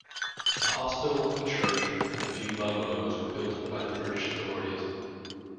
A hospital, a church, and a few bungalows were built by the British authorities.